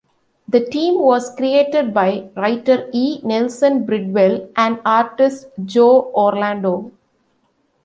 The team was created by writer E. Nelson Bridwell and artist Joe Orlando.